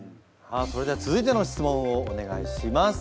それでは続いての質問をお願いします。